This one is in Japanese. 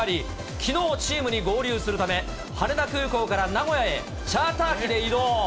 きのう、チームに合流するため、羽田空港から名古屋へ、チャーター機で移動。